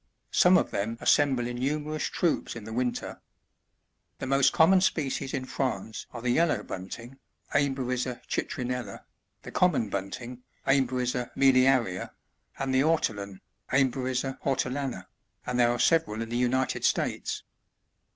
Some of them assemble in numerous troops in the winter. The most common species in France are the Yellow Bunting, — Emberiza citrinella,— the Common Bunting, — Embe* riza miliaria, — and the Ortolan, — Emberiza hartulana, — and there are several in the United States.